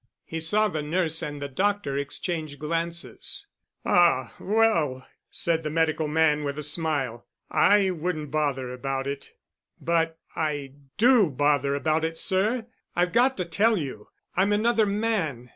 He saw the nurse and the doctor exchange glances, "Ah, well," said the medical man with a smile, "I wouldn't bother about it." "But I do bother about it, sir. I've got to tell you. I'm another man.